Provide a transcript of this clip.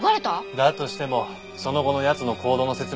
だとしてもその後の奴の行動の説明にはならない。